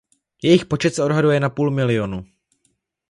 Jejich počet se odhaduje na půl milionu.